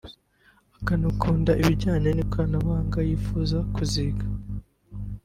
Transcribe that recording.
akanakunda ibijyanye n’ikoranabuhanga yifuza kuziga